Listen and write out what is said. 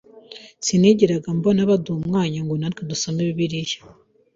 sinigeraga mbona baduha umwanya ngo natwe dusome bibiliya,